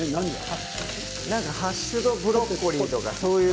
なんかハッシュドブロッコリーとかそういう。